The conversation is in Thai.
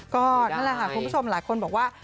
ก็นั่นแหละค่ะคุณผู้ชมหลายคนบอกว่า